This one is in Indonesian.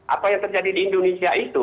apa yang terjadi di indonesia itu